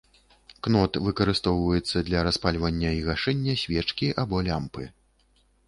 Кнот выкарыстоўваецца для распальвання і гашэння свечкі або лямпы.